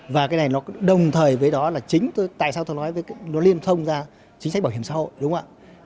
và cái này nó đồng thời với đó là chính tại sao tôi nói nó liên thông ra chính sách bảo hiểm xã hội đúng không ạ